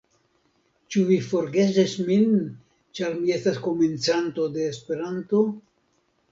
Ĉu vi forgesis min, ĉar mi estas komencanto de Esperanto?